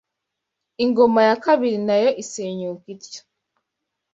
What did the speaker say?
Ingoma ya Kibali nayo isenyuka ityo